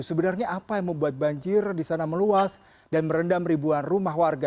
sebenarnya apa yang membuat banjir di sana meluas dan merendam ribuan rumah warga